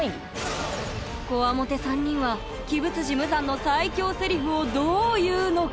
コワモテ３人は鬼舞無惨の最恐セリフをどう言うのか？